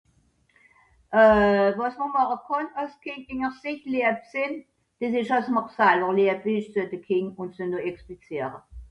mer muess lieb sin